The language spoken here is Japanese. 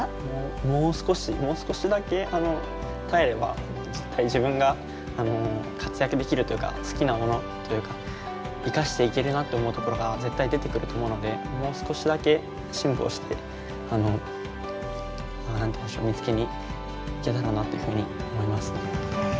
もう少しもう少しだけ耐えれば絶対自分が活躍できるというか好きなものというか生かしていけるなって思うところが絶対出てくると思うのでもう少しだけ辛抱して見つけに行けたらなっていうふうに思いますね。